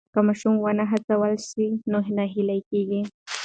که ماشوم ونه هڅول سي نو ناهیلی کېږي.